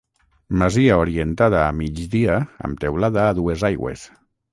Masia orientada a migdia amb teulada a dues aigües.